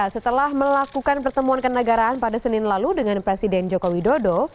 setelah melakukan pertemuan kenegaraan pada senin lalu dengan presiden joko widodo